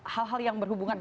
hal hal yang berhubungan